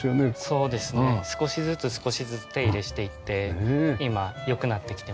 そうですね少しずつ少しずつ手入れしていって今良くなってきてます。